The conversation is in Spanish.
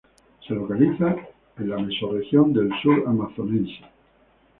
Se localiza en la mesorregión del Sur Amazonense.